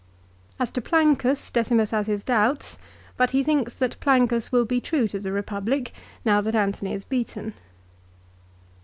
As to Plancus Decimus has his doubts, but he thinks that Plancus will be true to the Eepublic now that Antony is beaten.